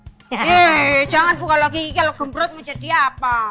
hei jangan bu kalau kiki kalau gembrut mau jadi apa